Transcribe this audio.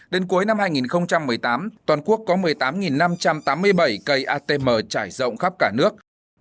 đến cuối năm hai nghìn một mươi tám toàn quốc có một mươi tám năm trăm tám mươi bảy cây atm trải rộng khắp cả nước